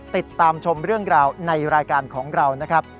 ติดตามชมเรื่องราวในรายการของเรานะครับ